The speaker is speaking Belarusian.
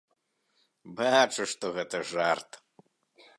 Бачу, што гэта жарт.